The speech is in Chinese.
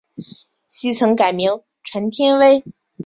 昔曾改名陈天崴。